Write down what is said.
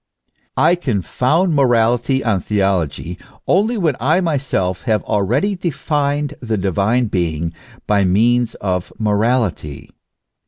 I can found morality on theology only when I myself have already defined the divine being by means of morality.